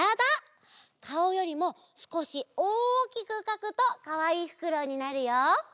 かおよりもすこしおおきくかくとかわいいふくろうになるよ。